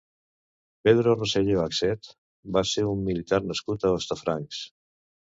Pedro Roselló Axet va ser un militar nascut a Hostafrancs.